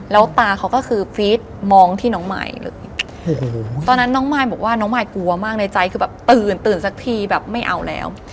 แล้วตาเขาก็คือฟีดมองที่น้องมายเลยตอนนั้นน้องมายบอกว่าน้องมายกลัวมากในใจคือแบบตื่นตื่นสักทีแบบไม่เอาแล้ว